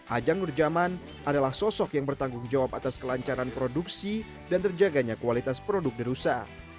ajang nurjaman adalah sosok yang bertanggung jawab atas kelancaran produksi dan terjaganya kualitas produk di rusa